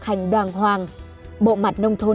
hành đoàn hoàng bộ mặt nông thôn